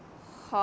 あ。